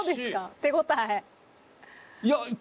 手応え。